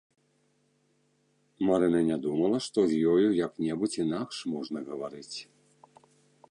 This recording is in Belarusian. Марына не думала, што з ёю як-небудзь інакш можна гаварыць.